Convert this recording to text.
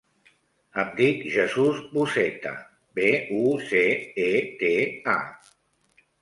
Em dic Jesús Buceta: be, u, ce, e, te, a.